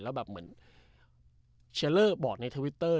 แล้วแบบเหมือนเชียร์เลอร์บอกในทวิตเตอร์